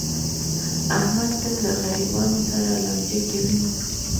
احمد تل له غریبانو سره لانجه کوي.